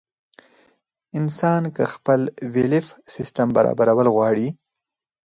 انسان کۀ خپل بيليف سسټم برابرول غواړي